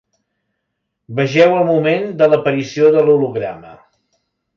Vegeu el moment de l’aparició de l’holograma.